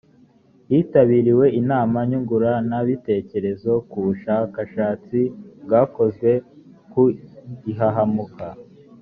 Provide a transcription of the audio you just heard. hitabiriwe inama nyunguranabitekerezo ku bushakashatsi bwakozwe ku ihahamuka